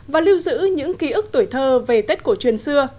và lưu giữ những ký ức tuổi thơ về tết cổ truyền xưa